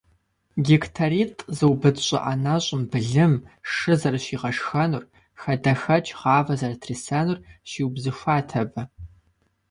Гектаритӏ зыубыд щӏы ӏэнэщӏым былым, шы зэрыщигъэхъунур, хадэхэкӏ, гъавэ зэрытрисэнур щиубзыхуат абы.